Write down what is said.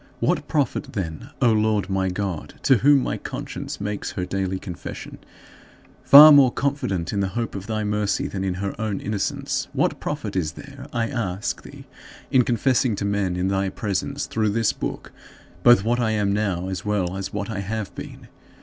What profit, then, O Lord my God to whom my conscience makes her daily confession, far more confident in the hope of thy mercy than in her own innocence what profit is there, I ask thee, in confessing to men in thy presence, through this book, both what I am now as well as what I have been?